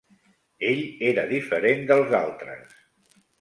Ell era diferent dels altres